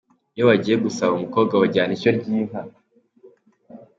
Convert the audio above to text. iyo bagiye gusaba umukobwa bajyana ishyo ry'inka